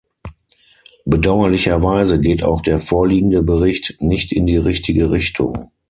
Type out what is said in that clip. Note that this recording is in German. Bedauerlicherweise geht auch der vorliegende Bericht nicht in die richtige Richtung.